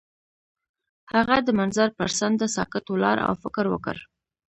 هغه د منظر پر څنډه ساکت ولاړ او فکر وکړ.